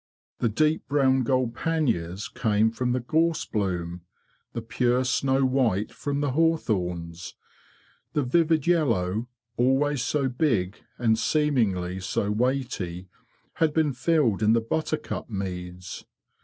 The deep krown gold panniers came from the gorse bloom; the pure snow white from the hawthorns; the vivid yellow, always so big and seemingly so weighty, had been filled in the buttercup meads.